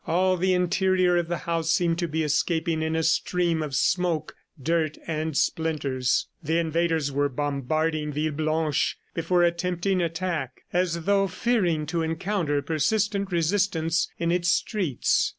All the interior of the house seemed to be escaping in a stream of smoke, dirt and splinters. The invaders were bombarding Villeblanche before attempting attack, as though fearing to encounter persistent resistance in its streets.